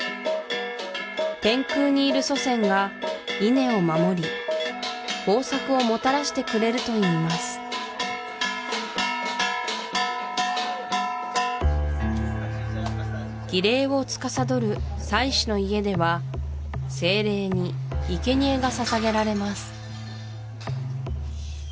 天空にいる祖先が稲を守り豊作をもたらしてくれるといいます儀礼をつかさどる祭司の家では精霊に生贄がささげられます